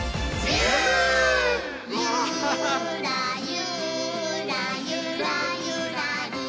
「ゆーらゆーらゆらゆらりー」